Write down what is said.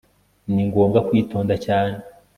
Ni ngombwa kwitonda cyane